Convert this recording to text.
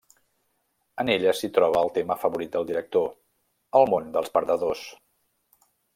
En ella s'hi troba el tema favorit del director: el món dels perdedors.